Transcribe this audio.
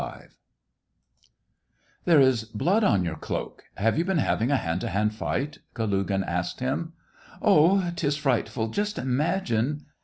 XL " There is blood on your cloak ; have you been having a hand to hand fight ?" Kalugin asked him. " Oh, 'tis frightful ! Just imagine